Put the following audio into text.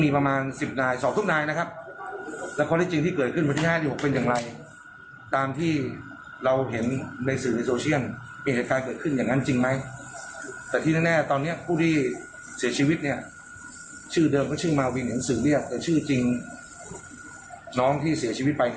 พระครูลมีหนึ่งสื่อเรียกชื่อจริงน้องที่เสียชีวิตไปซึ่งมีรุ่น๒๔ปี